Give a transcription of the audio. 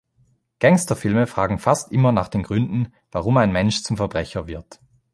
Gangsterfilme fragen fast immer nach den Gründen, warum ein Mensch zum Verbrecher wird.